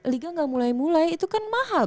liga gak mulai mulai itu kan mahal